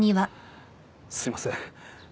すいません。